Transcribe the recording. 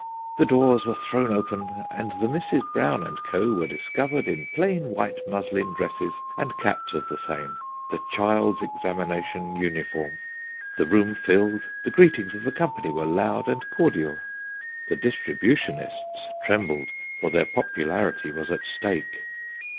The doors were thown open, and the Misses Brown and Co. were discovered in plain white muslin dresses, and caps of the same the child's examination uniform. The room filled : the greetings of the company were loud and cordial. The distributionists trembled, for their popularity was at stake.